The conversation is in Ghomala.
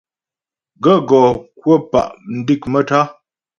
Gàə́ gɔ kwə̂ pá' mdék maə́tá'a.